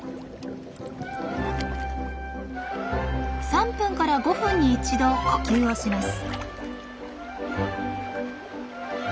３分から５分に一度呼吸をします。